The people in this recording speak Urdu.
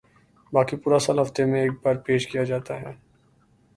باقی پورا سال ہفتے میں ایک بار پیش کیا جاتا ہے